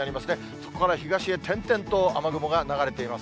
そこから東へ点々と雨雲が流れています。